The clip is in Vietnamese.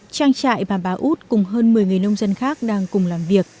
trang trại bà út cùng hơn một mươi người nông dân khác đang cùng làm việc